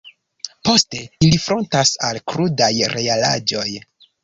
Poste ili frontas al krudaj realaĵoj.